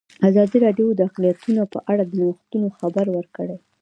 ازادي راډیو د اقلیتونه په اړه د نوښتونو خبر ورکړی.